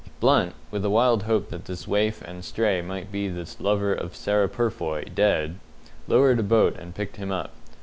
Blunt, with a wild hope that this waif and stray might be the lover of Sarah Purfoy, dead, lowered a boat and picked him up.